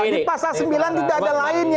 di pasal sembilan tidak ada lainnya